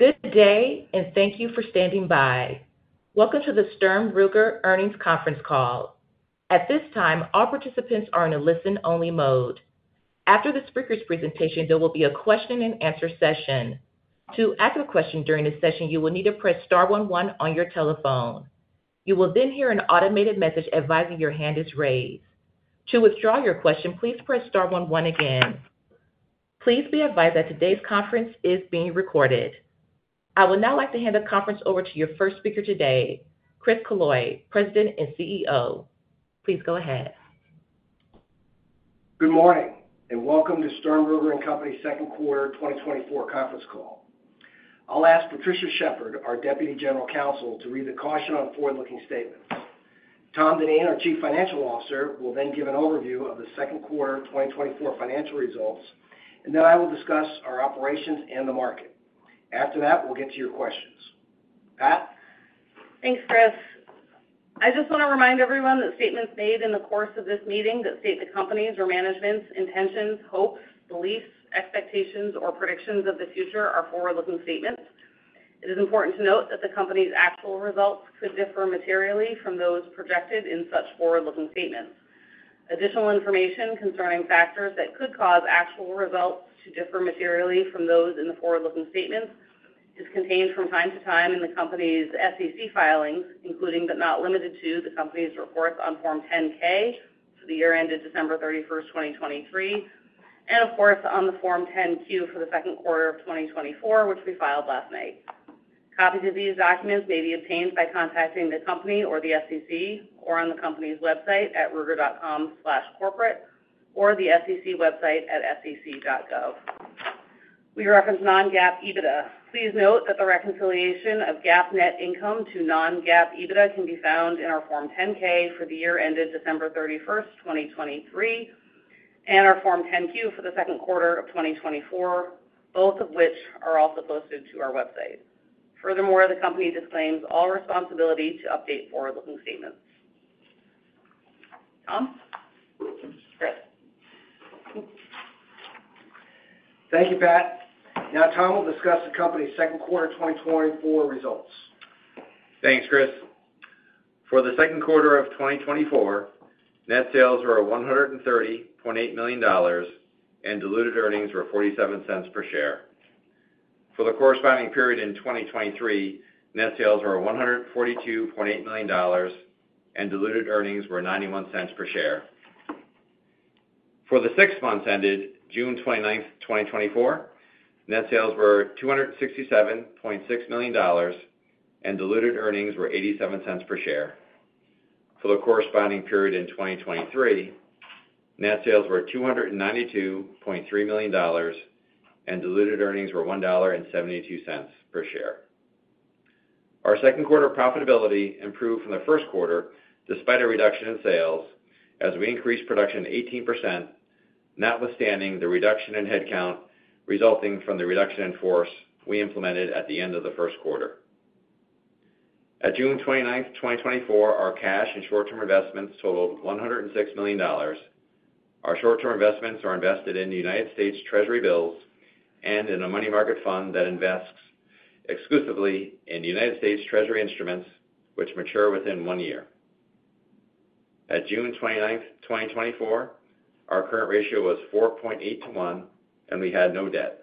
Good day, and thank you for standing by. Welcome to the Sturm, Ruger Earnings Conference Call. At this time, all participants are in a listen-only mode. After the speaker's presentation, there will be a question-and-answer session. To ask a question during this session, you will need to press star one one on your telephone. You will then hear an automated message advising your hand is raised. To withdraw your question, please press star one one again. Please be advised that today's conference is being recorded. I would now like to hand the conference over to your first speaker today, Chris Killoy, President and CEO. Please go ahead. Good morning, and welcome to Sturm, Ruger & Company's second quarter 2024 conference call. I'll ask Patricia Shepard, our Deputy General Counsel, to read the caution on forward-looking statements. Tom Dineen, our Chief Financial Officer, will then give an overview of the second quarter of 2024 financial results, and then I will discuss our operations and the market. After that, we'll get to your questions. Pat? Thanks, Chris. I just want to remind everyone that statements made in the course of this meeting that state the company's or management's intentions, hopes, beliefs, expectations, or predictions of the future are forward-looking statements. It is important to note that the company's actual results could differ materially from those projected in such forward-looking statements. Additional information concerning factors that could cause actual results to differ materially from those in the forward-looking statements is contained from time to time in the company's SEC filings, including, but not limited to, the company's reports on Form 10-K for the year ended December 31, 2023, and of course, on the Form 10-Q for the second quarter of 2024, which we filed last night. Copies of these documents may be obtained by contacting the company or the SEC, or on the company's website at ruger.com/corporate, or the SEC website at sec.gov. We reference non-GAAP EBITDA. Please note that the reconciliation of GAAP net income to non-GAAP EBITDA can be found in our Form 10-K for the year ended December 31, 2023, and our Form 10-Q for the second quarter of 2024, both of which are also posted to our website. Furthermore, the company disclaims all responsibility to update forward-looking statements. Tom? Chris. Thank you, Pat. Now, Tom will discuss the company's second quarter 2024 results. Thanks, Chris. For the second quarter of 2024, net sales were $130.8 million, and diluted earnings were $0.47 per share. For the corresponding period in 2023, net sales were $142.8 million, and diluted earnings were $0.91 per share. For the six months ended June 29, 2024, net sales were $267.6 million, and diluted earnings were $0.87 per share. For the corresponding period in 2023, net sales were $292.3 million, and diluted earnings were $1.72 per share. Our second quarter profitability improved from the first quarter despite a reduction in sales, as we increased production 18%, notwithstanding the reduction in headcount, resulting from the reduction in force we implemented at the end of the first quarter. At June 29, 2024, our cash and short-term investments totaled $106 million. Our short-term investments are invested in the United States Treasury bills and in a money market fund that invests exclusively in United States Treasury instruments, which mature within one year. At June 29, 2024, our current ratio was 4.8 to 1, and we had no debt.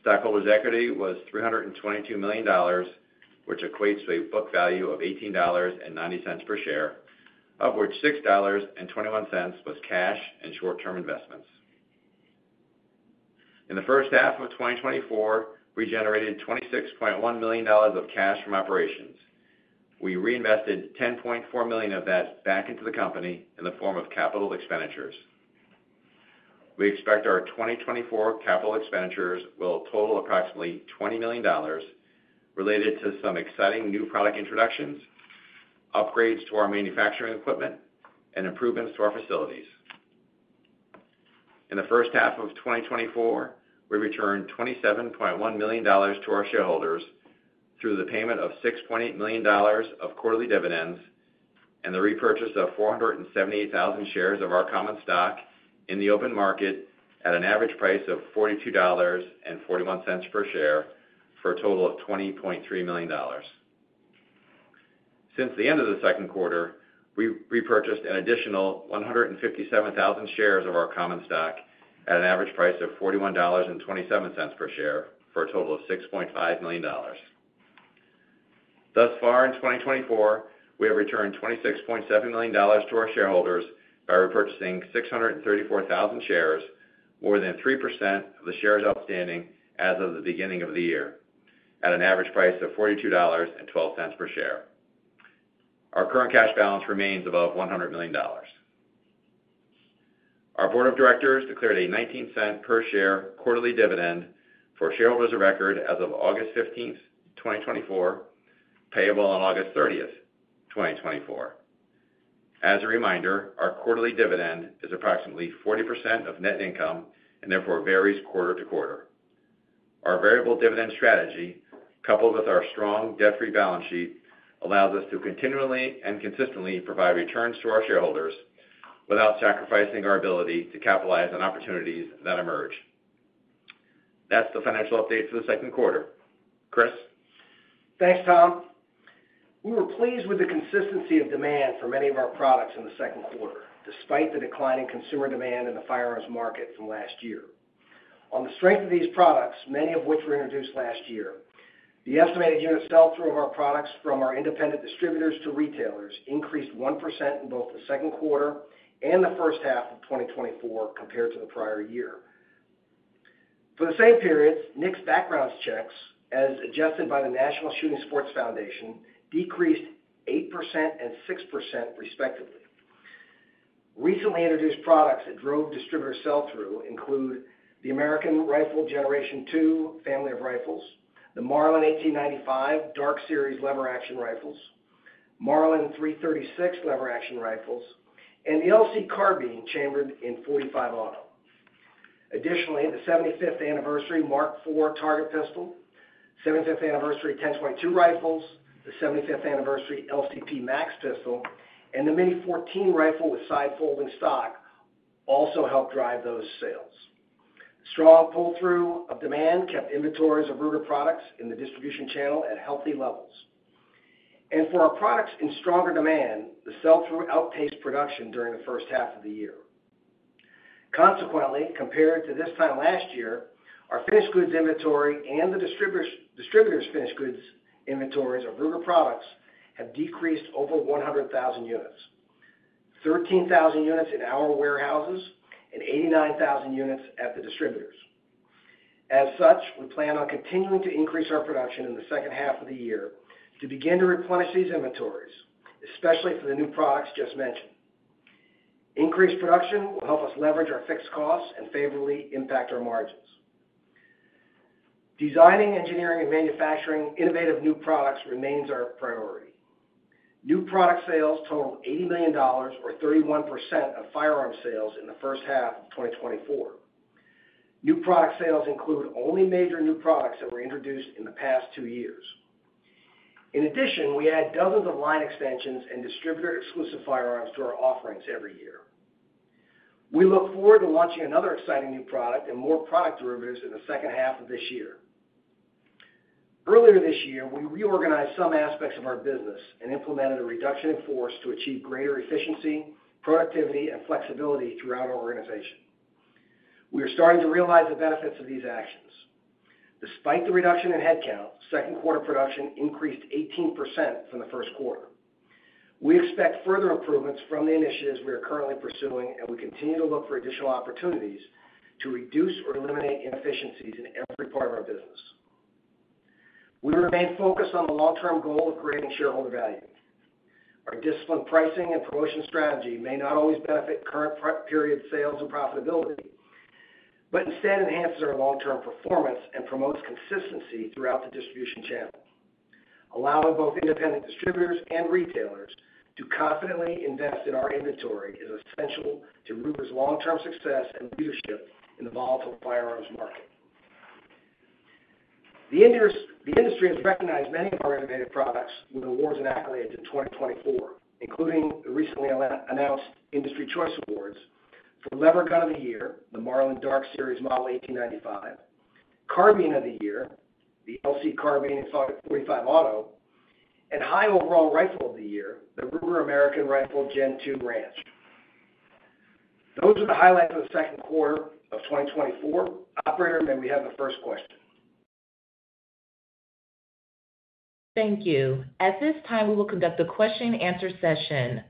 Stockholders' equity was $322 million, which equates to a book value of $18.90 per share, of which $6.21 was cash and short-term investments. In the first half of 2024, we generated $26.1 million of cash from operations. We reinvested $10.4 million of that back into the company in the form of capital expenditures. We expect our 2024 capital expenditures will total approximately $20 million related to some exciting new product introductions, upgrades to our manufacturing equipment, and improvements to our facilities. In the first half of 2024, we returned $27.1 million to our shareholders through the payment of $6.8 million of quarterly dividends and the repurchase of 478,000 shares of our common stock in the open market at an average price of $42.41 per share, for a total of $20.3 million. Since the end of the second quarter, we repurchased an additional 157,000 shares of our common stock at an average price of $41.27 per share, for a total of $6.5 million. Thus far, in 2024, we have returned $26.7 million to our shareholders by repurchasing 634,000 shares, more than 3% of the shares outstanding as of the beginning of the year, at an average price of $42.12 per share. Our current cash balance remains above $100 million. Our board of directors declared a $0.19 per share quarterly dividend for shareholders of record as of August 15, 2024, payable on August 30, 2024. As a reminder, our quarterly dividend is approximately 40% of net income and therefore varies quarter to quarter. Our variable dividend strategy, coupled with our strong debt-free balance sheet, allows us to continually and consistently provide returns to our shareholders without sacrificing our ability to capitalize on opportunities that emerge. That's the financial update for the second quarter. Chris? Thanks, Tom. We were pleased with the consistency of demand for many of our products in the second quarter, despite the decline in consumer demand in the firearms market from last year. On the strength of these products, many of which were introduced last year, the estimated unit sell-through of our products from our independent distributors to retailers increased 1% in both the second quarter and the first half of 2024 compared to the prior year. For the same periods, NICS background checks, as adjusted by the National Shooting Sports Foundation, decreased 8% and 6%, respectively. Recently introduced products that drove distributor sell-through include the American Rifle Generation II family of rifles, the Marlin 1895 Dark Series lever-action rifles, Marlin 336 lever-action rifles, and the LC Carbine chambered in .45 Auto. Additionally, the 75th Anniversary Mark IV Target Pistol, 75th Anniversary 10/22 rifles, the 75th Anniversary LCP Max pistol, and the Mini-14 rifle with side-folding stock also helped drive those sales. Strong pull-through of demand kept inventories of Ruger products in the distribution channel at healthy levels. And for our products in stronger demand, the sell-through outpaced production during the first half of the year. Consequently, compared to this time last year, our finished goods inventory and the distributor's finished goods inventories of Ruger products have decreased over 100,000 units, 13,000 units in our warehouses and 89,000 units at the distributors. As such, we plan on continuing to increase our production in the second half of the year to begin to replenish these inventories, especially for the new products just mentioned. Increased production will help us leverage our fixed costs and favorably impact our margins. Designing, engineering, and manufacturing innovative new products remains our priority. New product sales totaled $80 million, or 31%, of firearm sales in the first half of 2024. New product sales include only major new products that were introduced in the past two years. In addition, we add dozens of line extensions and distributor-exclusive firearms to our offerings every year. We look forward to launching another exciting new product and more product derivatives in the second half of this year. Earlier this year, we reorganized some aspects of our business and implemented a reduction in force to achieve greater efficiency, productivity, and flexibility throughout our organization. We are starting to realize the benefits of these actions. Despite the reduction in headcount, second quarter production increased 18% from the first quarter. We expect further improvements from the initiatives we are currently pursuing, and we continue to look for additional opportunities to reduce or eliminate inefficiencies in every part of our business. We remain focused on the long-term goal of creating shareholder value. Our disciplined pricing and promotion strategy may not always benefit current period sales and profitability, but instead enhances our long-term performance and promotes consistency throughout the distribution channel. Allowing both independent distributors and retailers to confidently invest in our inventory is essential to Ruger's long-term success and leadership in the volatile firearms market. The industry has recognized many of our innovative products with awards and accolades in 2024, including the recently announced Industry Choice Awards for Lever Gun of the Year, the Marlin Dark Series Model 1895, Carbine of the Year, the LC Carbine in .45 Auto, and High Overall Rifle of the Year, the Ruger American Rifle Gen II Ranch. Those are the highlights of the second quarter of 2024. Operator, may we have the first question? Thank you. At this time, we will conduct a question-and-answer session.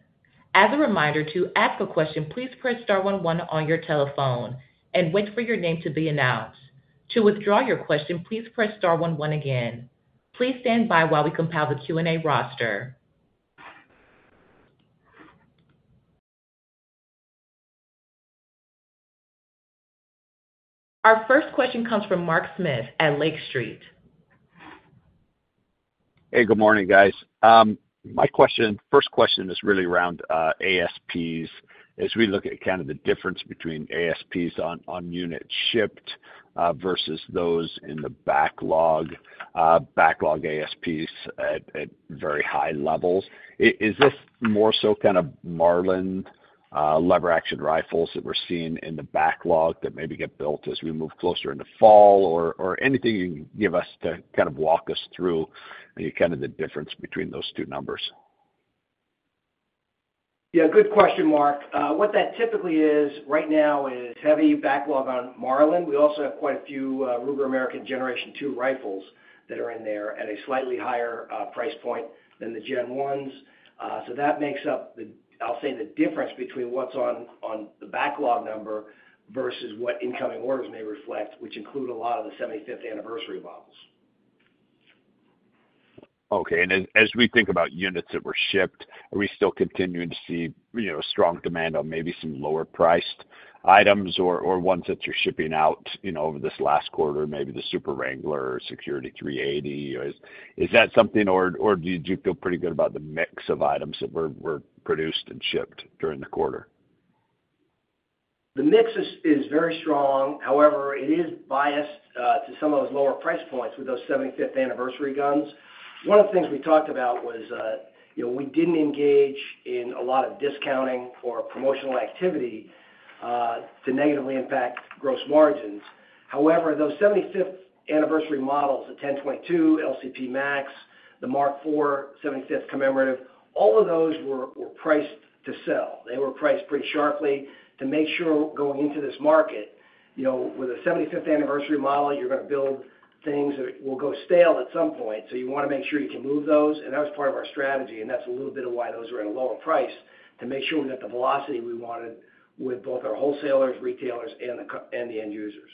As a reminder, to ask a question, please press star one, one on your telephone and wait for your name to be announced. To withdraw your question, please press star one, one again. Please stand by while we compile the Q&A roster. Our first question comes from Mark Smith at Lake Street. Hey, good morning, guys. My question, first question is really around ASPs. As we look at kind of the difference between ASPs on, on unit shipped versus those in the backlog, backlog ASPs at, at very high levels. Is this more so kind of Marlin lever action rifles that we're seeing in the backlog that maybe get built as we move closer into fall? Or, anything you can give us to kind of walk us through kind of the difference between those two numbers? Yeah, good question, Mark. What that typically is right now is heavy backlog on Marlin. We also have quite a few Ruger American Generation II rifles that are in there at a slightly higher price point than the Gen 1s. So that makes up the, I'll say, the difference between what's on the backlog number versus what incoming orders may reflect, which include a lot of the seventy-fifth anniversary models. Okay. And as we think about units that were shipped, are we still continuing to see, you know, strong demand on maybe some lower-priced items or ones that you're shipping out, you know, over this last quarter, maybe the Super Wrangler or Security-380? Is that something, or do you feel pretty good about the mix of items that were produced and shipped during the quarter? The mix is very strong. However, it is biased to some of those lower price points with those seventy-fifth anniversary guns. One of the things we talked about was, you know, we didn't engage in a lot of discounting or promotional activity to negatively impact gross margins. However, those 75th Anniversary models, the 10/22, LCP Max, the Mark IV seventy-fifth commemorative, all of those were priced to sell. They were priced pretty sharply to make sure going into this market, you know, with a 75th Anniversary model, you're gonna build things that will go stale at some point, so you wanna make sure you can move those, and that was part of our strategy, and that's a little bit of why those were at a lower price, to make sure we got the velocity we wanted with both our wholesalers, retailers, and the consumers and the end users.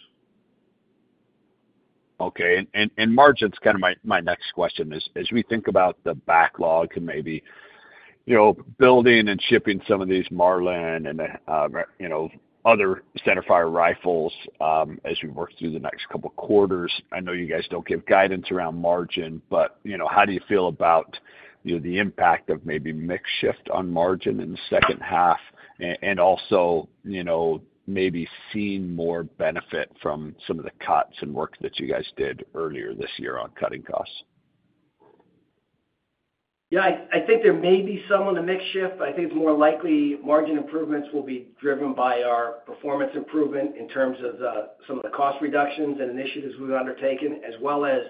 Okay. And margin's kinda my next question is, as we think about the backlog and maybe, you know, building and shipping some of these Marlin and the, you know, other centerfire rifles, as we work through the next couple quarters, I know you guys don't give guidance around margin, but, you know, how do you feel about, you know, the impact of maybe mix shift on margin in the second half, and also, you know, maybe seeing more benefit from some of the cuts and work that you guys did earlier this year on cutting costs? Yeah, I think there may be some on the mix shift. I think it's more likely margin improvements will be driven by our performance improvement in terms of some of the cost reductions and initiatives we've undertaken, as well as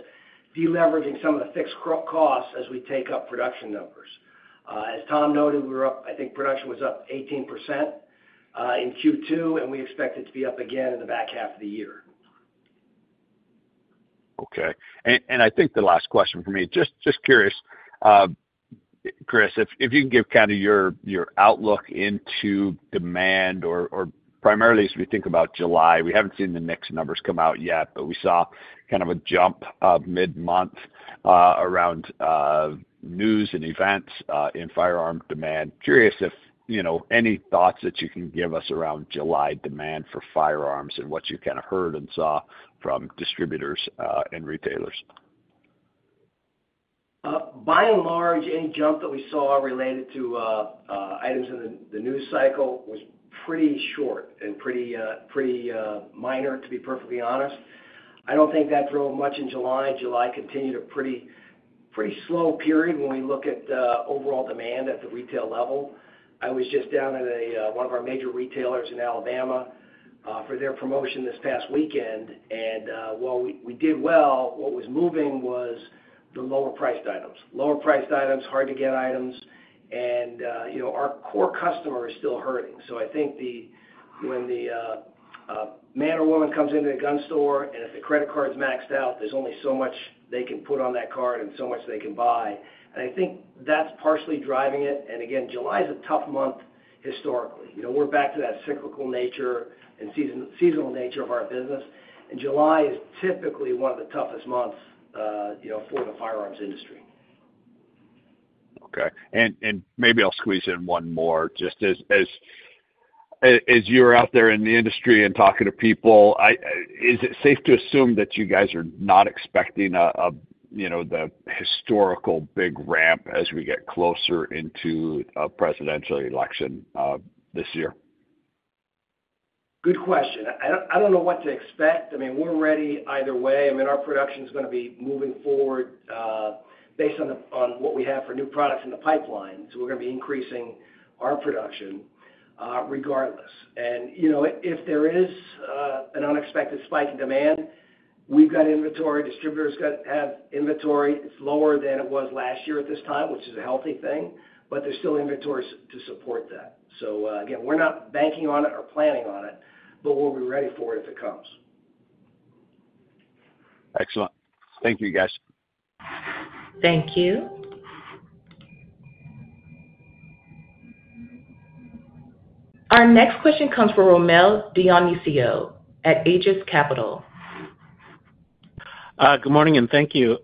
deleveraging some of the fixed costs as we take up production numbers. As Tom noted, we're up. I think production was up 18% in Q2, and we expect it to be up again in the back half of the year. Okay. And I think the last question for me, just curious, Chris, if you can give kinda your outlook into demand or primarily as we think about July. We haven't seen the NICS numbers come out yet, but we saw kind of a jump mid-month around news and events in firearm demand. Curious if, you know, any thoughts that you can give us around July demand for firearms and what you kinda heard and saw from distributors and retailers. By and large, any jump that we saw related to items in the news cycle was pretty short and pretty minor, to be perfectly honest. I don't think that drove much in July. July continued a pretty slow period when we look at overall demand at the retail level. I was just down at one of our major retailers in Alabama for their promotion this past weekend, and while we did well, what was moving was the lower priced items. Lower priced items, hard to get items, and you know, our core customer is still hurting. So I think when the man or woman comes into the gun store, and if the credit card's maxed out, there's only so much they can put on that card and so much they can buy. And I think that's partially driving it. And again, July is a tough month historically. You know, we're back to that cyclical nature and seasonal nature of our business, and July is typically one of the toughest months, you know, for the firearms industry. Okay. And maybe I'll squeeze in one more. Just as you're out there in the industry and talking to people, is it safe to assume that you guys are not expecting a you know, the historical big ramp as we get closer into a presidential election this year? Good question. I don't, I don't know what to expect. I mean, we're ready either way. I mean, our production is gonna be moving forward, based on what we have for new products in the pipeline. So we're gonna be increasing our production, regardless. And, you know, if there is an unexpected spike in demand, we've got inventory, distributors have inventory. It's lower than it was last year at this time, which is a healthy thing, but there's still inventories to support that. So, again, we're not banking on it or planning on it, but we'll be ready for it if it comes. Excellent. Thank you, guys. Thank you. Our next question comes from Rommel Dionisio at Aegis Capital. Good morning, and thank you.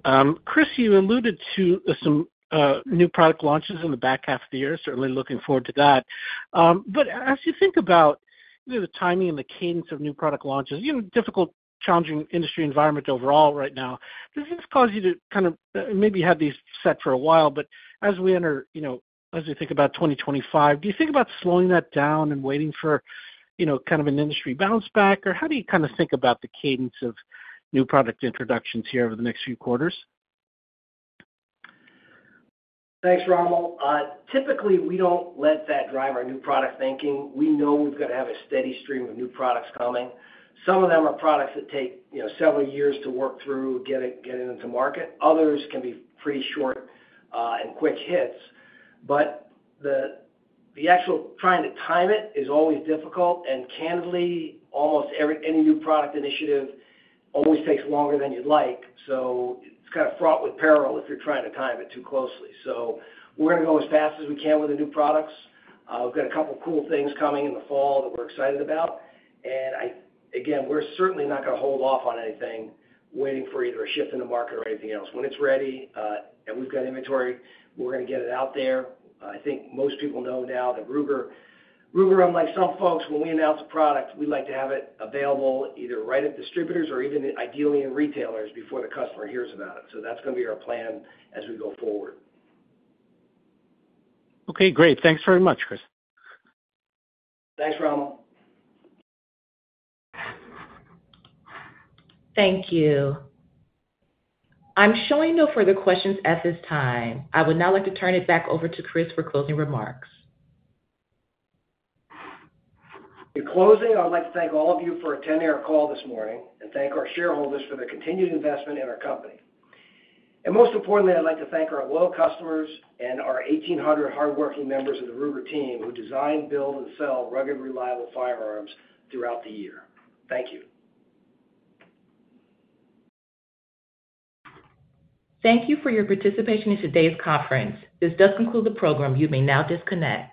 Chris, you alluded to some new product launches in the back half of the year. Certainly looking forward to that. But as you think about, you know, the timing and the cadence of new product launches, you know, difficult, challenging industry environment overall right now, does this cause you to kind of maybe have these set for a while, but as we enter, you know, as we think about 2025, do you think about slowing that down and waiting for, you know, kind of an industry bounce back? Or how do you kinda think about the cadence of new product introductions here over the next few quarters? Thanks, Rommel. Typically, we don't let that drive our new product thinking. We know we've got to have a steady stream of new products coming. Some of them are products that take, you know, several years to work through, get into market. Others can be pretty short and quick hits. But the actual trying to time it is always difficult, and candidly, almost any new product initiative always takes longer than you'd like. So it's kind of fraught with peril if you're trying to time it too closely. So we're gonna go as fast as we can with the new products. We've got a couple of cool things coming in the fall that we're excited about, and again, we're certainly not gonna hold off on anything, waiting for either a shift in the market or anything else. When it's ready, and we've got inventory, we're gonna get it out there. I think most people know now that Ruger, unlike some folks, when we announce a product, we like to have it available either right at distributors or even ideally in retailers before the customer hears about it. So that's gonna be our plan as we go forward. Okay, great. Thanks very much, Chris. Thanks, Rommel. Thank you. I'm showing no further questions at this time. I would now like to turn it back over to Chris for closing remarks. In closing, I'd like to thank all of you for attending our call this morning and thank our shareholders for their continued investment in our company. Most importantly, I'd like to thank our loyal customers and our 1,800 hardworking members of the Ruger team who design, build, and sell rugged, reliable firearms throughout the year. Thank you. Thank you for your participation in today's conference. This does conclude the program. You may now disconnect.